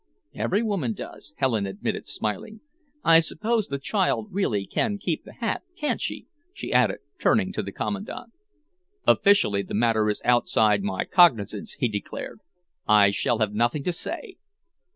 "Every woman does," Helen admitted, smiling. "I suppose the child really can keep the hat, can't she?" she added, turning to the Commandant. "Officially the matter is outside my cognizance," he declared. "I shall have nothing to say."